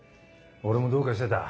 俺もどうかしてた。